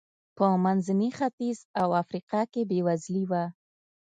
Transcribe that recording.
په منځني ختیځ او افریقا کې بېوزلي و.